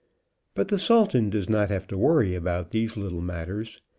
But the Sultan does not have to worry about these little matters.